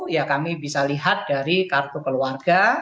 ya kami bisa lihat dari kartu keluarga